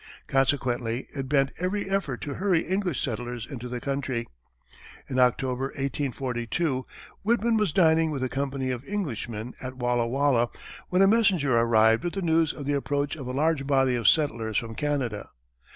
Consequently it bent every effort to hurry English settlers into the country. In October, 1842, Whitman was dining with a company of Englishmen at Walla Walla, when a messenger arrived with news of the approach of a large body of settlers from Canada.